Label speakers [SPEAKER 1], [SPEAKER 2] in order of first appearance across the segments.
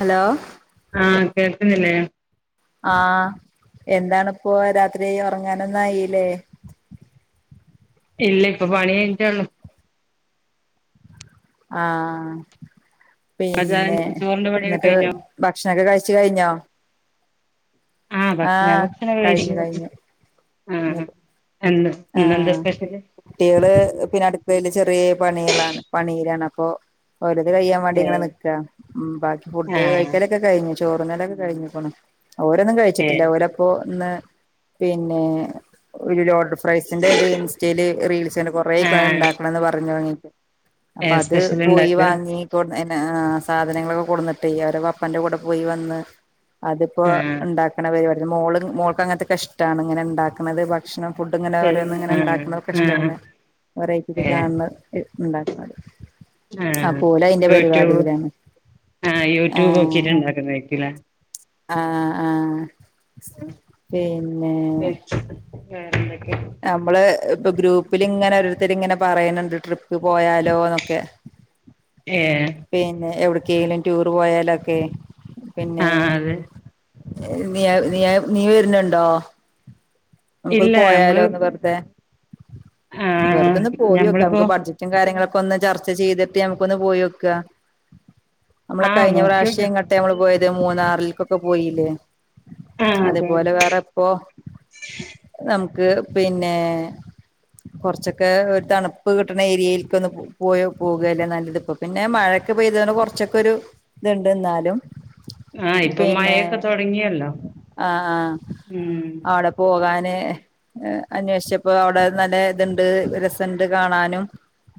[SPEAKER 1] Hello
[SPEAKER 2] ആഹ് കേൾക്ക്ണില്ലേ
[SPEAKER 1] ആഹ് എന്താണിപ്പോ രാത്രി ഉറങ്ങാനൊന്നയില്ലേ
[SPEAKER 2] ഇല്ല ഇപ്പൊ പണിയിഞ്ഞട്ടൊള്ളൂ
[SPEAKER 1] ആഹ്
[SPEAKER 2] അതാ
[SPEAKER 1] പിന്നെ
[SPEAKER 2] ചോറിന്റെ പണിയൊക്കെ
[SPEAKER 1] ന്നിട്ട്
[SPEAKER 2] കഴിഞ്ഞോ
[SPEAKER 1] ഭക്ഷണൊക്കെ കഴിച്ചു കഴിഞ്ഞോ
[SPEAKER 2] ആഹ് ഭക്ഷണ ഭക്ഷണംക്ക കഴിച്ചു
[SPEAKER 1] കഴിഞ്ഞു കഴിഞ്ഞു [unintelligible]
[SPEAKER 2] രണ്ട്
[SPEAKER 1] ആഹ് കുട്ടികള് പിന്നെ അടുക്കയില് ചെറിയ പണികളാണ് പണിയിലാണ് അപ്പൊ ഒലത് കഴ്യാൻ വണ്ടി ഇങ്ങനെ
[SPEAKER 2] ഏഹ്
[SPEAKER 1] നിക്കണ് ഉം ബാക്കി ഫുഡ്
[SPEAKER 2] ആഹ്
[SPEAKER 1] കയ്ക്കല് ക്കേ കഴിഞ്ഞു ചോറുന്നലൊക്കെ കഴിഞ്ഞുക്കണ് പോ ഓരൊന്നും കഴിച്ചിട്ടില്ല
[SPEAKER 2] ഏഹ്
[SPEAKER 1] ഓരപ്പോ ഇന്ന് പിന്നെ ഒരു ലോ പ്രൈസിന്റെ ഇത് ഇൻസ്റ്റയില് റീൽസ് തന്നെ കൊറെ അയ്ക്ക്ണ്
[SPEAKER 2] ആഹ്
[SPEAKER 1] ഉണ്ടാക്കണന്ന് പറഞ്ഞു തുങ്ങിട്ട് അപ്പൊ
[SPEAKER 2] ഏഹ്
[SPEAKER 1] അത്
[SPEAKER 2] സ്പെഷ്യൽ
[SPEAKER 1] പോയി
[SPEAKER 2] ഇണ്ടാക്കാ
[SPEAKER 1] വാങ്ങി പ്പൊ കൊട്നിന്ന് സാധനങ്ങളൊക്കെ കൊടുന്നിട്ടേ അവര പപ്പന്റെ കൂടെ പോയി വന്ന് അതിപ്പോ
[SPEAKER 2] ആഹ്
[SPEAKER 1] ഇണ്ടാക്കണ പരിപാടിയ മോൾ മോൾക്ക് അങ്ങനത്തൊക്കെ ഇഷ്ടണ് ഇങ്ങനെ ഇണ്ടാക്ക്ണത് ഭക്ഷണം ഫുഡ് ഇങ്ങനെ ഓരോന്ന് ഇങ്ങനെ
[SPEAKER 2] ആഹ്
[SPEAKER 1] ഇണ്ടാക്ക്ണത്ക്കെ
[SPEAKER 2] ആഹ്
[SPEAKER 1] ഷ്ടങ്ങെ വേറെറ്റിക്കെ
[SPEAKER 2] ഏഹ്
[SPEAKER 1] കണ്ന്നത് ഹ് ഉണ്ടാക്കന്നത്
[SPEAKER 2] ആഹ്
[SPEAKER 1] അപ്പൊ ഓലയിന്റെ
[SPEAKER 2] യൂട്യൂബ്
[SPEAKER 1] പരിപാടിയിലാണ്
[SPEAKER 2] ആഹ് യൂട്യൂബ്
[SPEAKER 1] ആഹ്
[SPEAKER 2] നോക്കിട്ട് ഇണ്ടാക്കുന്നതായിരിക്കുംല്ലേ
[SPEAKER 1] ആഹ് ആഹ്
[SPEAKER 2] ഉം
[SPEAKER 1] പിന്നെ
[SPEAKER 2] [unintelligible] വേറെ എന്തൊക്കെ
[SPEAKER 1] നമ്മള് ഇപ്പൊ ഗ്രൂപ്പിൽ ഇങ്ങനെ ഓരോരുത്തര് ഇങ്ങനെ പറയുന്നുണ്ട് ട്രിപ്പ് പോയാലോന്നൊക്കെ
[SPEAKER 2] ഏഹ്
[SPEAKER 1] പിന്നെ എവിടക്കേലും ടൂർ പോയാലൊക്കെ പിന്നെ
[SPEAKER 2] ആഹ് അതെ
[SPEAKER 1] ഏഹ് നിയവ് നിയവ് നീ വരുന്നുണ്ടോ ഞമ്മക്കൊന്ന്
[SPEAKER 2] ഇല്ല
[SPEAKER 1] പോയാലോ
[SPEAKER 2] നമ്മള്
[SPEAKER 1] ഒന്ന് വെറുതെ
[SPEAKER 2] ആഹ്
[SPEAKER 1] വെറുതൊന്ന് പോയോക്ക
[SPEAKER 2] ഞമ്മളിപ്പോ
[SPEAKER 1] നമുക്ക് ബജറ്റ് റ്റും കാര്യങ്ങളൊക്കെ ഒന്ന് ചർച്ച ചെയ്തിട്ട് ഞമുക്കൊന്ന് പോയൊക്ക നമ്മൾ
[SPEAKER 2] ആഹ്
[SPEAKER 1] കഴിഞ്ഞ പ്രാവിശ്യം
[SPEAKER 2] നോക്കിയോക്ക്
[SPEAKER 1] എ ങ്ങട്ടാ നമ്മള് പോയത് മൂന്നാറില്ക്കൊക്കെ പോയില്ലേ
[SPEAKER 2] ആ അതെ
[SPEAKER 1] അതേപോലെ വേറെ ഇപ്പോ നമുക്ക് പിന്നെ കൊറച്ചൊക്കെ ഒരു തണുപ്പ് കിട്ടണ ഏരിയാൽക്ക് ഒന്ന് പോ പോവല്ലേ നല്ലത് പിന്നെ മഴക്ക് പെയ്താണ്ട് കുറച്ചൊക്കെ ഒരു ഇത്ണ്ട് എന്നാലും
[SPEAKER 2] ആ ഇപ്പൊ
[SPEAKER 1] പിന്നെ
[SPEAKER 2] മഴയൊക്കെ തൊടങ്ങിയല്ലോ
[SPEAKER 1] ആഹ് ആഹ്
[SPEAKER 2] ഉം
[SPEAKER 1] ആടെ പോകാന് ഹേ അന്വേഷിച്ചപ്പോ അവിടെ നല്ല ഇതുണ്ട് രസണ്ട് കാണാനും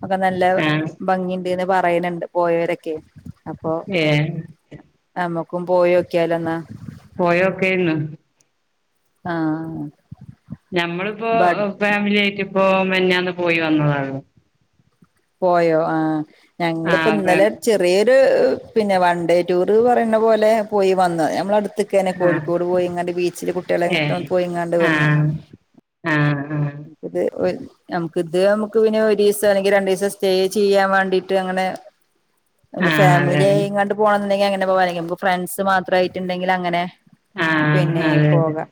[SPEAKER 1] ഒക്കെ നല്ല
[SPEAKER 2] ആ
[SPEAKER 1] ഭംഗിണ്ട്ന്ന് പറയ്ന്ണ്ട് പോയോരൊക്കെ അപ്പൊ
[SPEAKER 2] ഏഹ്
[SPEAKER 1] നമ്മക്കും പോയോക്കിയാലോ ന്നാ
[SPEAKER 2] പോയോക്കെന്ന്
[SPEAKER 1] ആഹ്
[SPEAKER 2] ഞമ്മളിപ്പോ ഫാമിലി ആയിട്ട് ഇപ്പോ മിനിഞ്ഞാന്ന് പോയി വന്നതാണ്
[SPEAKER 1] പോയോ ആ
[SPEAKER 2] ആ
[SPEAKER 1] ഞങ്ങളിപ്പോ ഇന്നലെ ചെറി യ ഒരു പിന്നെ വൺ ഡേ ടൂറ് പറയ്ണ പോലെ പോയി വന്നു ഞമ്മളെ അടുത്ത് ക്കനെ
[SPEAKER 2] ആ
[SPEAKER 1] കോഴിക്കോട് പോയിങ്ങാണ്ട് ബീച്ചില് കുട്ടികളെങ്ങട്ടും പോയിങ്ങാണ്ട് വന്നു
[SPEAKER 2] ആഹ് ആഹ്
[SPEAKER 1] ഇത് ഒരു ഞമ്മക്ക് ഇത് നമുക്ക് പിന്നെ ഒരു ദിവസം അല്ലെങ്കിൽ രണ്ടു ദിവസം സ്റ്റേ ചെയ്യാൻ വേണ്ടീട്ട് അങ്ങനെ
[SPEAKER 2] ആ
[SPEAKER 1] ഇനി
[SPEAKER 2] അതെ
[SPEAKER 1] ഫാമിലി ആയിങ്ങാണ്ട് പോണംന്നുണ്ടെങ്കിൽ അങ്ങനെ പോവാ അല്ലെങ്കി ഫ്രണ്ട്സ് മാത്രമായിട്ടുണ്ടെങ്കി അങ്ങനെ
[SPEAKER 2] ആ
[SPEAKER 1] പിന്നെ
[SPEAKER 2] അതെ അതെ
[SPEAKER 1] പോകാം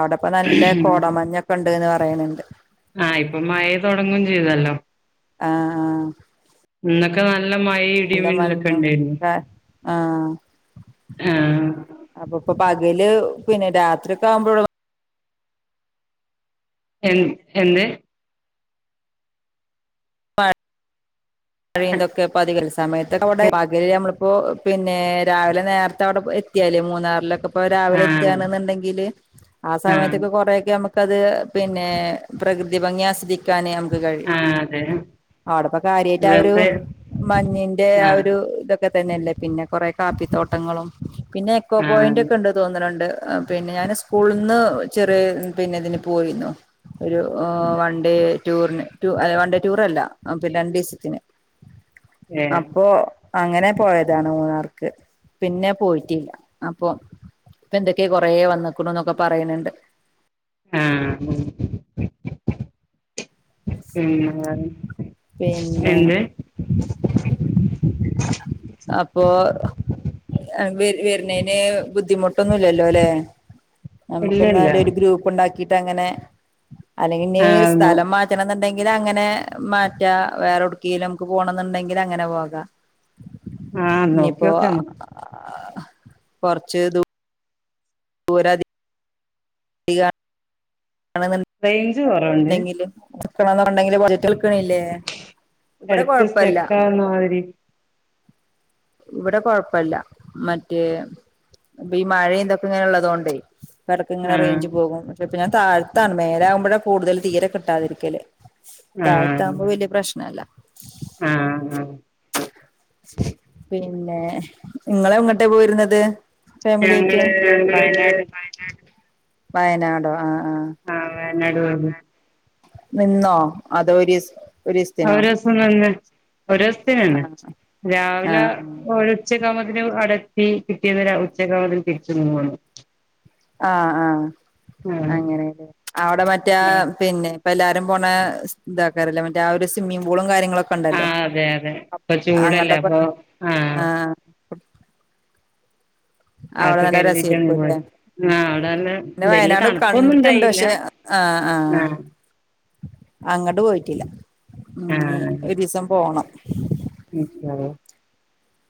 [SPEAKER 1] അവിടെപ്പോ നല്ല കോടമഞ്ഞൊക്കെ ഉണ്ട്ന്ന് പറയണണ്ട്
[SPEAKER 2] ആഹ് ഇപ്പൊ മഴ തോടങ്ങും ചെയ്തല്ലോ
[SPEAKER 1] ആഹ് ആഹ്
[SPEAKER 2] ഇന്നൊക്കെ നല്ല മഴെമം ക്കെ
[SPEAKER 1] മഞ്ഞും
[SPEAKER 2] ഇണ്ടെരുന്നു
[SPEAKER 1] ആഹ്
[SPEAKER 2] ആഹ്
[SPEAKER 1] അപ്പൊ ഇപ്പൊ പകല് പിന്നെ രാത്രി ഒക്കെ ആവുമ്പോള്ളൂ
[SPEAKER 2] എന്ത് എന്ന്
[SPEAKER 1] അറിന്തൊക്കെ പതികൽ സമയത്തൊക്കെ അവിടെ പകല് നമ്മളിപ്പോ പിന്നെ രാവിലെ നേരത്തെ അവിടെ എത്തിയാൽ മൂന്നാറിലൊക്കെ ഇപ്പൊ
[SPEAKER 2] ആ
[SPEAKER 1] രാവിലെ എത്തിയാണെന്നുണ്ടെങ്കിൽ ആ സമയത്തൊക്കെ കൊറെക്കെ ഞമ്മക്ക് ഞമ്മക്കത് പിന്നെ പ്രകൃതി ഭംഗി ആസ്വാദിക്ക ക്കാൻ നമുക്ക് കഴിയും അവിടെപ്പൊ കാര്യട്ട്
[SPEAKER 2] വെസെ [unintelligible]
[SPEAKER 1] മഞ്ഞിന്റെ ആ ഒരു ഇതൊക്കെ തന്നെല്ലേ പിന്നെ കൊറെ കാപ്പിത്തോട്ടങ്ങളും പിന്നെ എക്കോ പോയിന്റ്
[SPEAKER 2] ആഹ്
[SPEAKER 1] ഒക്കെ ഉണ്ട് തോന്ന്ണണ്ട് പിന്നെ ഞാൻ സ്കൂളിൽ നിന്ന് ചെറിയ പിന്നെ ഇതിന് പോയിരുന്നു ഒരു വൺ ഡേ ടൂറിന് വൺ ഡേ ടൂർല്ല പിന്നെ രണ്ടിസത്തിന്
[SPEAKER 2] ഏഹ്
[SPEAKER 1] അപ്പൊ അങ്ങനെ പോയതാണ് മൂന്നാർക്ക് പിന്നെ പോയിട്ടില്ല അപ്പൊ ഇപ്പൊ എന്തൊക്കെയാണ് കുറെേ വന്ന്കുണ് എന്നൊക്കെ പറയുന്നുണ്ട്
[SPEAKER 2] ആഹ് ഉം
[SPEAKER 1] പിന്നെ അപ്പോ ഹസ്ബന്റ് വരുന്നേന് ബുദ്ധിമുട്ട പിട്ടൊന്നല്ലല്ലോ ല്ലേ നമുക്ക്
[SPEAKER 2] ഇല്ലല്ല
[SPEAKER 1] ന്നാല് ഒരു ഗ്രൂപ്പ് ഉണ്ടാക്കിട്ട് അങ്ങനെ അല്ലെങ്കിൽ
[SPEAKER 2] ആഹ് നോ
[SPEAKER 1] സ്ഥലം മാ പണ എന്നുണ്ടെങ്കിൽ അങ്ങനെ മാറ്റ വേറെ ഉടുക്കിൽ നമുക്ക് പോണന്നുണ്ടെങ്കിൽ അങ്ങനെ പോകാം
[SPEAKER 2] ആഹ്
[SPEAKER 1] ഇനിയിപ്പോ
[SPEAKER 2] നോക്കിയോക്കാം നമുക്ക്
[SPEAKER 1] കൊറച്ചരു [unintelligible] [unintelligible]
[SPEAKER 2] റേഞ്ച്
[SPEAKER 1] [unintelligible]
[SPEAKER 2] കൊറവുണ്ട്
[SPEAKER 1] ഇവിടെ കൊഴപ്പല്ല
[SPEAKER 2] ആര്
[SPEAKER 1] ഇവിടെ കൊഴപ്പല്ല മറ്റേ ഇപ്പൊ മഴ എന്തൊക്കെ ഇങ്ങനെള്ളത കൊണ്ടേ ഇടക്ക ഇങ്ങന
[SPEAKER 2] ആഹ്
[SPEAKER 1] റേഞ്ച് പോകും പ ഇപ്പ ഞാൻ താഴ്താണ് മേല ആക്പോഴ കൂടുതൽ തീരെ കിട്ടാതിരിക്കല്
[SPEAKER 2] ആഹ്
[SPEAKER 1] താഴത്താകുമ്പോ വല്യ പ്രശ്നല്ല
[SPEAKER 2] ആഹ് ആഹ്
[SPEAKER 1] പിന്നെ ഇങ്ങളെ ഇങ്ങോട്ട പോയിരുന്നത് ഫാമിലിയിട്ട്
[SPEAKER 2] ഞങ്ങള് വയനാട്
[SPEAKER 1] വയനാടോ ആഹ് ആഹ്
[SPEAKER 2] ആഹ് വയനാട് നടുവത്
[SPEAKER 1] നിന്നോ അതൊരീസ്
[SPEAKER 2] ഒരു ദിവസംന്ന് ഒരു ദിവസത്തന്ന്
[SPEAKER 1] ആഹ്
[SPEAKER 2] രാവിലെ
[SPEAKER 1] ആഹ്
[SPEAKER 2] ഒരു ഉച്ചകാമത്തിന് അടത്തി പിറ്റേന്നോരാ ഉച്ചകാമത്തിന് തിരിച്ചു നൂന്നു
[SPEAKER 1] ആഹ് ആഹ് അങ്ങനെല്ലെ അവിടെ മറ്റേയാ
[SPEAKER 2] ആഹ്
[SPEAKER 1] പിന്നെ ഇപ്പൊ എല്ലാരും പോന്ന ഇതാക്കാറല്ല മറ്റേ ആ ഒരു സ്വിമ്മിംഗ് പൂളും കാര്യങ്ങളൊ ക്കെണ്ടല്ലോ
[SPEAKER 2] ആഹ് അതെ അതെ ഇപ്പൊ ചൂടല്ലേ
[SPEAKER 1] അങ്ങട്ടക്ക
[SPEAKER 2] അപ്പൊ ആഹ്
[SPEAKER 1] ആ അവള
[SPEAKER 2] അതൊക്കെ
[SPEAKER 1] നല്ല
[SPEAKER 2] കരുതിയിട്ടാണ്
[SPEAKER 1] രസമായിരിക്കുംല്ലേ
[SPEAKER 2] പോയത് ആഹ് അവിടെ നല്ല
[SPEAKER 1] പിന്നെ
[SPEAKER 2] വല്യ
[SPEAKER 1] വയനാട്
[SPEAKER 2] തണുപ്പൊന്നും
[SPEAKER 1] കണ്ടിട്ടുണ്ട്
[SPEAKER 2] ഉണ്ടായില്ല
[SPEAKER 1] പക്ഷെ ആഹ് ആഹ് അങ്ങട് പോയിട്ടില്ല ഇനി ഒരിസം പോണം
[SPEAKER 2] ബീച്ചിലാണോ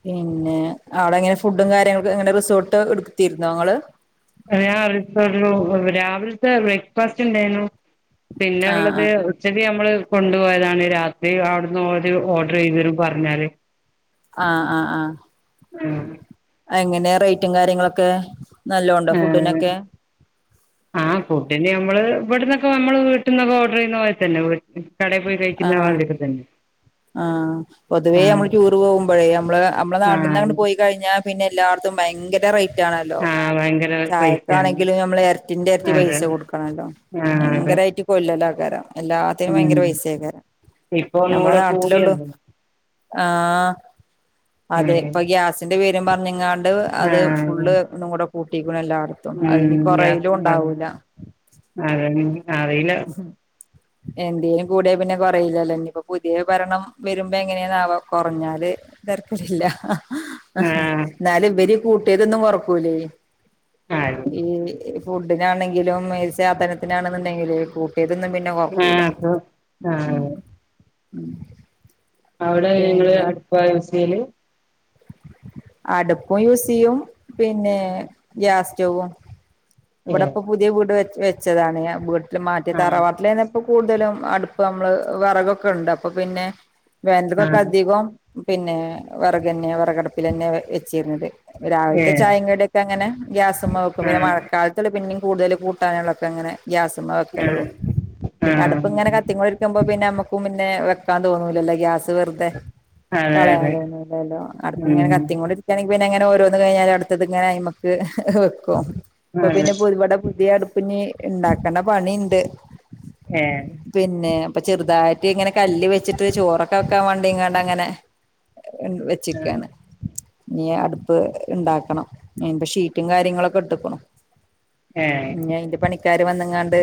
[SPEAKER 1] പിന്നെ അവിടെങ്ങനെ ഫുഡും കാര്യങ്ങൾക്ക്‌ എങ്ങനെ റിസോർട്ട് എടുത്തുത്തിയിരുന്ന നിങ്ങള്
[SPEAKER 2] ഞാൻ [unintelligible] രാവിലത്തെ ബ്രേക്ക്ഫാസ്റ്റ് ഉണ്ടായിന്നു പിന്നെ
[SPEAKER 1] ആഹ്
[SPEAKER 2] ഉള്ളത്
[SPEAKER 1] ആഹ്
[SPEAKER 2] പച്ചടി നമ്മള് കൊണ്ടുപോയതാണ് രാത്രി അവിടുന്ന് ഓര് ഓർഡർ ചെയ്തരും പറഞ്ഞാല്
[SPEAKER 1] ആഹ് ആഹ് ആഹ്
[SPEAKER 2] ഉം
[SPEAKER 1] എങ്ങനെ റേറ്റും കാര്യങ്ങളൊക്കെ നല്ല ഉണ്ട്
[SPEAKER 2] ആഹ്
[SPEAKER 1] ഫുഡിനൊക്കെ
[SPEAKER 2] ആഹ് ഫുഡിന് നമ്മള് ഇവിടന്നൊക്കെ നമ്മള് വീട്ട്ന്നൊക്കെ ഓർഡർ ചെയ്യുന്ന മാതിരി തന്നെ കടെ പോയി കഴിക്കുന്ന
[SPEAKER 1] ആഹ്
[SPEAKER 2] മാതിരിക്ക തന്നെ
[SPEAKER 1] ആഹ് പൊതുവേ
[SPEAKER 2] ആഹ്
[SPEAKER 1] നമ്മള് ടൂർ പോകുമ്പോഴേ നമ്മള് നമ്മളെ നാട്ടന്നങ്ട്
[SPEAKER 2] ആഹ്
[SPEAKER 1] പോയി ദ് കഴിഞ്ഞാ പിന്നെ എല്ലാർത്തും ഭയര റേ റ്റാണല്ലോ
[SPEAKER 2] ആഹ് ഭയങ്കര പൈസയാണ്
[SPEAKER 1] ചായക്കാണെങ്കിലും നമ്മൾ ഇരറ്റിന്റെ ഇരറ്റി പൈസ കൊടുക്കണല്ലോ
[SPEAKER 2] ആഹ് അതെ
[SPEAKER 1] കൊല്ലല ആക്കാരം എല്ലാത്തിനും
[SPEAKER 2] ഉം
[SPEAKER 1] ഭയങ്കര പൈസ ആക്കാരം
[SPEAKER 2] ഇപ്പൊ
[SPEAKER 1] ഞമ്മുടെ
[SPEAKER 2] ഒന്നുകൂടെ
[SPEAKER 1] നാട്ടിലുള്ളൂ
[SPEAKER 2] കൂടിയല്ലോ
[SPEAKER 1] ആഹ് അതെ
[SPEAKER 2] ഉം
[SPEAKER 1] ഇപ്പൊ ഗ്യാസിന്റെ പേരും പറഞ്ഞങ്ങാണ്ട് അത്
[SPEAKER 2] ആ
[SPEAKER 1] ഫുള്ള് ഒന്നും കൂടെ കൂട്ടിക്കണ് എല്ലാടത്തും അതിനി
[SPEAKER 2] ഉം
[SPEAKER 1] കൊറയലും ഉണ്ടാവൂല
[SPEAKER 2] അതിനിനി അറിയില്ല
[SPEAKER 1] ഉം എന്തേലും കൂടിയാ പിന്നെ കൊറയില്ലല്ലോ ഇനിയിപ്പോ പുതിയ ഭരണം വരുമ്പോ എങ്ങനെയന്നാവോ കൊറഞ്ഞാല് ബർക്കലില്ല
[SPEAKER 2] ആ
[SPEAKER 1] എന്നാലും ഇവര് കൂട്ടിയതൊന്നും കൊറക്കൂല്ലേ
[SPEAKER 2] ആ
[SPEAKER 1] ഈ ഫുഡിനാണെങ്കിലും ഈ സാധനത്തിനാണെന്നുണ്ടെങ്കിൽ കൂട്ടിയതൊന്നും പിന്നെ കൊറക്കൂല
[SPEAKER 2] ആഹ് ആഹ്
[SPEAKER 1] ഉം
[SPEAKER 2] അവിടെ ങ്ങള് അടുപ്പ യൂസ് ചെയല്
[SPEAKER 1] അടുപ്പും യൂസ് ചെയ്യും പിന്നെ ഗ്യാസ് സ്റ്റവും
[SPEAKER 2] ഏ
[SPEAKER 1] ഇവിടെപ്പ പുതിയ വീട് വെ വെച്ചതാണെ വീട്ടിൽ മറ്റെ
[SPEAKER 2] ആ
[SPEAKER 1] തറവാട്ടിലായ്നപ്പ്‌ ഇപ്പ കൂടുതലും അടുപ്പ് നമ്മള് വിറകൊക്കെ ഉണ്ട് അപ്പൊ പിന്നെ
[SPEAKER 2] ആ
[SPEAKER 1] വേണ്ടതൊക്കെ അധികം പിന്നെ വിറകന്നെ വിറകടുപ്പിൽന്നെ വെച്ചിരുന്നത്
[SPEAKER 2] ഏ
[SPEAKER 1] രാവിലത്തെ ചായേം കടിയൊക്കെ അങ്ങനെ ഗ്യാസ്മ്മേ വെക്കും
[SPEAKER 2] ആ
[SPEAKER 1] പിന്നെ മഴക്കാല ത്തില് പിന്നേം കൂടുതല് കൂട്ടാനുള്ളൊക്കെങ്ങനെ ഗ്യാസുമ്മേ
[SPEAKER 2] ആ
[SPEAKER 1] വെക്കലുള്ളൂ
[SPEAKER 2] ആ
[SPEAKER 1] പിന്നെ അടുപ്പ് ഇങ്ങനെക ത്തികൊണ്ടിരിക്കുമ്പോ പിന്നെ നമ്മുക്കും പിന്നെ വെക്കാൻ തോന്നൂലല്ലോ ഗ്യാസ് അത് വെറുതെ
[SPEAKER 2] അതെ
[SPEAKER 1] കളയാ
[SPEAKER 2] അതെ
[SPEAKER 1] തോന്നൂല്ലല്ലോ അടുപ്പിങ്ങനെ
[SPEAKER 2] ഉം
[SPEAKER 1] കത്തീംകൊണ്ടി ക്കാണെങ്കി പിന്നെ എങ്ങനെ ഓരോന്നന്ന് കഴിഞ്ഞാൽ അടുത്തത് ഇങ്ങനെ ആയ്മ്മക്ക് വെക്കും ഇപ്പൊ
[SPEAKER 2] അതെ
[SPEAKER 1] പിന്നെ പ്പൊ ഒരുപാട് പുതിയ അടുപ്പിനി ഉണ്ടാക്കണ്ട പണിയുണ്ട്
[SPEAKER 2] ഏ
[SPEAKER 1] പിന്നെ ഇപ്പൊ ചെറുതായിട്ട് ഇങ്ങന കല്ല് വെച്ചിട്ട് ചോറൊ ക്കക്കാൻ വണ്ടിയങ്ങാണ്ട് അങ്ങനെ വെച്ചക്കയാണ് ഇനി അടുപ്പ് ഇണ്ടാക്കണം അയിന്റെ ഷീറ്റും കാര്യങ്ങളൊക്കെ ഇട്ടക്കണു
[SPEAKER 2] ഏഹ്
[SPEAKER 1] ഇഞ്ഞി അയിന്റെ പണിക്കാര് വന്നങ്ങാണ്ട്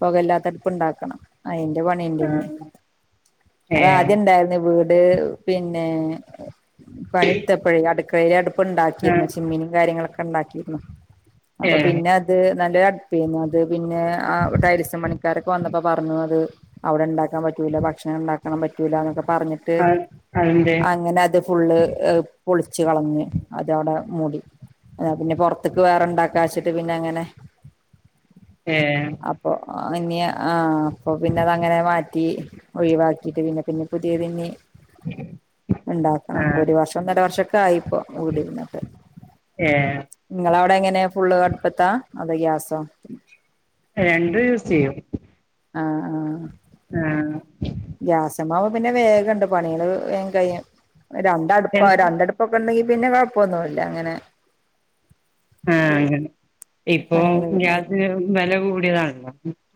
[SPEAKER 1] പൊകല്ലാത്തടുപ്പ് ഇണ്ടാ ക്കണം അയിന്റെ
[SPEAKER 2] ആ
[SPEAKER 1] പണിന്റന്നി
[SPEAKER 2] ഏ
[SPEAKER 1] അത്ദ്യ ഇണ്ടായിരുന്നു വീട് പിന്നെ പണിെടുത്തപ്പോഴേ അടുക്കളയിലെ അടുപ്പ
[SPEAKER 2] ആ
[SPEAKER 1] ഉണ്ടാക്കിന്നു ചിമ്മിനി കാര്യങ്ങളൊക്കെ ഉണ്ടാക്കിയിരുന്നു അപ്പൊ
[SPEAKER 2] ഏ
[SPEAKER 1] പിന്നെ അത് നല്ല അടുപ്പരുന്നു അത് പിന്നെ ടൈൽസ് പണിക്കാരൊക്കെ വന്ന അപോ പറഞ്ഞു അത് അവിടെണ്ടാക്കാൻ പറ്റൂല ഭക്ഷണം ഉണ്ടാക്കണംൻ പറ്റൂല്ല എന്നൊക്കെ പറഞ്ഞിട്ട് ട്ട്
[SPEAKER 2] അ അതെന്തേ
[SPEAKER 1] അങ്ങനെ അത് ഫുള്ള് പൊളിച്ച് കളഞ്ഞ് അതവിടെ മൂടി പിന്നെ പുറത്തേക്ക് വേറെണ്ടാക്കി ലാസ്റ്റ്ക് പിന്നെ അങ്ങനെ
[SPEAKER 2] ഏഹ്
[SPEAKER 1] അപ്പൊ ഇനിയ ആ അപ്പൊ പിന്നെ അത അങ്ങനെ മാറ്റി ഒഴിവാക്കിട്ട് പിന്നെ പിന്നെ പുതിയതിന്നി ഇണ്ടാക്കണം അപ്പൊ
[SPEAKER 2] ആഹ്
[SPEAKER 1] ഒരു വർഷം ഒന്നര വർഷൊക്കെ ആയി കുടിയിരുന്നിട്ട്
[SPEAKER 2] ഏഹ്
[SPEAKER 1] നിങ്ങളവിടെ എങ്ങനെ ഫുള്ള് അടുപ്പത്താ അതോ ഗ്യാസോ
[SPEAKER 2] രണ്ടും യൂസ് ചെയ്യും
[SPEAKER 1] ആഹ് ആഹ്
[SPEAKER 2] ആഹ്
[SPEAKER 1] ഗ്യാസമാവ പിന്നെ വേഗണ്ട് പണികള് വേഗം കഴിയും രണ്ടടുപ്പാ
[SPEAKER 2] രണ്ട്
[SPEAKER 1] രണ്ടടുപ്പ പുകകണി ഉണ്ടെങ്കി പിന്നെ കുഴപ്പമൊന്നുല്ല അങ്ങനെ
[SPEAKER 2] ആഹ് അങ്ങെനേ ഇപ്പൊ
[SPEAKER 1] പണികള്
[SPEAKER 2] ഗ്യാസ് വില കൂടിയതാണല്ലോ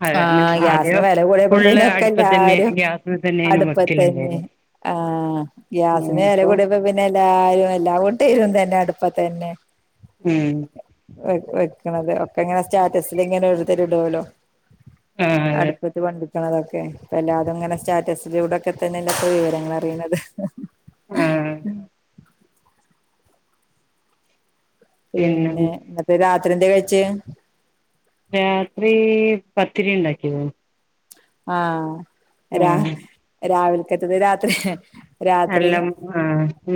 [SPEAKER 2] അത
[SPEAKER 1] ആഹ്
[SPEAKER 2] അതെയോ
[SPEAKER 1] ഗ്യാസിന് വെല കൂടിയപ്പോ
[SPEAKER 2] ഫുള്ള്
[SPEAKER 1] പിന്നെ ഒക്കെ
[SPEAKER 2] അടുപ്പ തന്നെ
[SPEAKER 1] എല്ലാരും
[SPEAKER 2] ഗ്യാസിന് തന്നെും
[SPEAKER 1] അടുപ്പത്തന്നെ
[SPEAKER 2] വെക്കലുണ്ടയ്ൻ
[SPEAKER 1] ആഹ് ഗ്യാസിന് വെല കൂടിയപ്പ പി പിന്നെ എല്ല ആരു എല്ല കൂട്ടരും തന്നെ അടുപ്പ തന്നെ
[SPEAKER 2] ഉം
[SPEAKER 1] വെവെക്കണുന്നത് ഒക്കെ ഇങ്ങനെ സ്റ്റാറ്റസിൽ ഇങ്ങനെ ഒരുരുത്തരു ഇടുല്ലോ
[SPEAKER 2] ആഹ് അതെ
[SPEAKER 1] അടുപ്പ ത് പഠിപിക്കണതൊക്കെ ഇപ്പ എല്ലാവരും ഇങ്ങനെ സ്റ്റാറ്റസിലൂടെൊക്കെ തന്നെല്ല ഇപ്പ വിവരങ്ങൾ അറിയണത്
[SPEAKER 2] ആഹ്
[SPEAKER 1] പിന്നെ ഇന്നതെ രാത്രി എന്ത് കഴിച്ച്
[SPEAKER 2] രാത്രി പത്തിരി ഉണ്ടാക്കിനൂ
[SPEAKER 1] ആഹ് രാ
[SPEAKER 2] ആഹ്
[SPEAKER 1] രാവൽക്കത്തത് രാത്രി രാത്രി
[SPEAKER 2] അല്ല ആ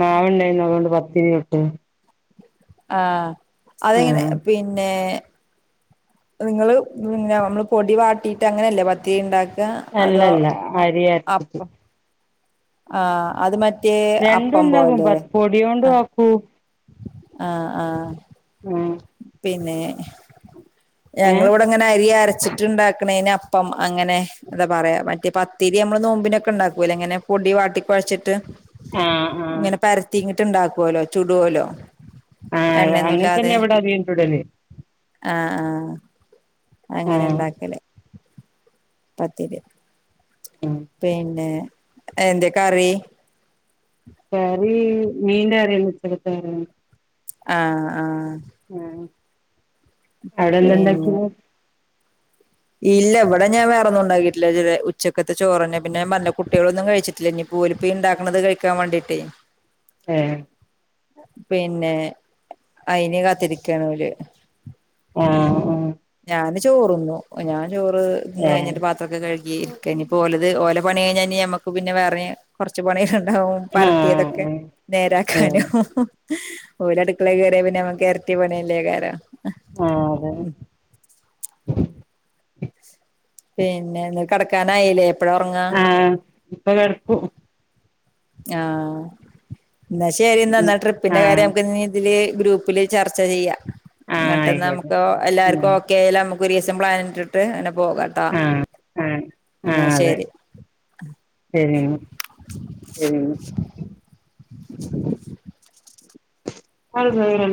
[SPEAKER 2] മാവണ്ടായിന്ന് അതുകൊണ്ട് പത്തിരിട്ടു
[SPEAKER 1] ആഹ് അതെങ്ങനെ
[SPEAKER 2] ആഹ്
[SPEAKER 1] പിന്നെ നിങ്ങള് പി ന്ന മ്മള് പൊടി വാട്ടിട്ട് അങ്ങനെല്ലേ പത്തിരി ണ്ടാക് ക്ക അതോ
[SPEAKER 2] അല്ലല്ല അരി അരച്ചിട്ട്
[SPEAKER 1] അപ് ആഹ് അത് മറ്റ്
[SPEAKER 2] രണ്ടുണ്ടാകും പപൊടിയോണ്ട് ആക്കൂ
[SPEAKER 1] ആഹ് ആഹ്
[SPEAKER 2] ആഹ്
[SPEAKER 1] പിന്നെ
[SPEAKER 2] ഏഹ്
[SPEAKER 1] ഞങ്ങളിവ് ടെ ങ്ങനെ അരി അരച്ചിട്ട് ണ്ടാക്കണന് അപ്പം അങ്ങനെ അതാ പറയാ മറ്റേ പത്തിരി മ്മള് നോമ്പിനൊക്കെ ഉണ്ടാക്കൂല്ലേ ഇങ്ങനെ പൊടി വാട്ടി കൊഴച്ചിട്ട്
[SPEAKER 2] ആഹ് ആഹ്
[SPEAKER 1] ങ്ങനെ പരത്തിങ്ങിട്ട് ഇണ്ടാകോലോ ചൂടോലോ
[SPEAKER 2] ആഹ് അങ്ങനെ
[SPEAKER 1] എണ്ണയൊന്നുല്ലാതെ
[SPEAKER 2] [unintelligible]
[SPEAKER 1] ആഹ് ആഹ് അങ്ങനെ
[SPEAKER 2] ആഹ്
[SPEAKER 1] ണ്ടാക്കല്. പത്തിരി
[SPEAKER 2] ഉം
[SPEAKER 1] പിന്നെ എന്തെ കറി?
[SPEAKER 2] കറീ മീന്റെ കറി ണ്ട് ഉച്ചയ്ക്കത്ത ര
[SPEAKER 1] ആഹ് ആഹ്
[SPEAKER 2] ഏഹ്
[SPEAKER 1] പിന്നെ
[SPEAKER 2] അവിടെന്താണ്ടാക്കിനെ?
[SPEAKER 1] ഇല്ല വടെ ഞാ വേറൊന്നും ഉണ്ടാക്കിട്ടില്ല ഇതൊരെ ഉച്ചക്കത്തെ ചോറെന്നെ. പിന്നെ ഞ പറഞ്ഞില്ലേ കുട്ടികളൊന്നും കഴിച്ചി ട്ടില്ല ന്നിപ്പോര് പ്പ ഇണ്ടാക്ക്‌ണത് കഴിക്കാം വാണ്ടിട്ടേ.
[SPEAKER 2] ഏഹ്
[SPEAKER 1] പിന്നെ അയിന് കാത്തിരിക്കാണോല്.
[SPEAKER 2] ആഹ് ആഹ്.
[SPEAKER 1] ഞാന് ചോറുന്നു. ഞാം ചോറ്
[SPEAKER 2] ഏഹ്
[SPEAKER 1] ന്നയിഞ്ഞിട്ട് പാ ത്രൊക്കെ കഴുകിരിക്ക നിപ്പോ ലത് ഓല പണി കഴിഞ്ഞാ നി ഞമ്മുക്ക് പിന്നെ വേറെനി കൊറച് പണികളുണ്ടാവും
[SPEAKER 2] ആഹ്
[SPEAKER 1] പരത്തിയതൊക്കെ.
[SPEAKER 2] ആഹ്
[SPEAKER 1] നേരാക്കാനു
[SPEAKER 2] ഏഹ്
[SPEAKER 1] ഓരടുക്കളെ കയറിയ പിന്നമ്മക്കെരട്ടി പണി യല്ലേ കാരം [inaudible]
[SPEAKER 2] ആഹ് അതെ
[SPEAKER 1] പിന്നെന്ത് കെടക്കാനായില്ലേ എപ്പഴാ ഒറങ്ങാ?
[SPEAKER 2] ഇപ്പ കെടക്കും.
[SPEAKER 1] ആന് ന്നാ ശരി ന്നാ ന്ന
[SPEAKER 2] ഉം
[SPEAKER 1] ട്രിപ്പിന്റെ കാര്യം
[SPEAKER 2] ആഹ്
[SPEAKER 1] നമക്കിനി തില് ഗ്രൂപ്പില് ചർച്ച ചെയ്യാ.
[SPEAKER 2] ആഹ് ആയിക്കോട്ടെ
[SPEAKER 1] എങ്ങട്ടന്നമുക്കൊ എല്ലാർക്കും
[SPEAKER 2] ഉം
[SPEAKER 1] ഓക്കെയാല് മക് ഒരീസം പ്ലാനിട്ടിട്ട് ങ്ങന പോകാലോ ട്ടാ
[SPEAKER 2] ആഹ് ആഹ്
[SPEAKER 1] എന്നാ
[SPEAKER 2] ആഹ് അതെ
[SPEAKER 1] ശെരി. മ്മ്
[SPEAKER 2] [inaudible]